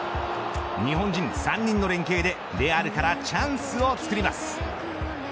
日本人３人の連係でレアルからチャンスを作ります。